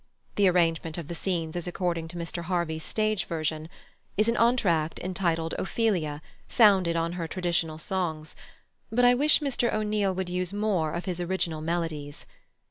(the arrangement of the scenes is according to Mr Harvey's stage version) is an entr'acte entitled "Ophelia," founded on her traditional songs; but I wish Mr O'Neill would use more of his original melodies.